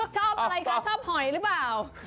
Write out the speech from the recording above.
ชอบอะไรคะชอบหอยหรือเปล่า